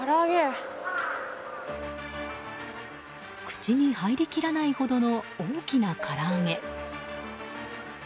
口に入りきらないほどの大きなから揚げ。